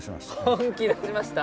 本気出しました。